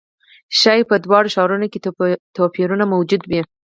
ښايي په دواړو ښارونو کې توپیرونه موجود وي.